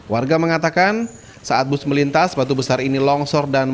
warga mengatakan saat bus melintas batu besar ini longsor